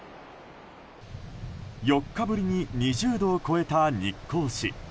４日ぶりに２０度を超えた日光市。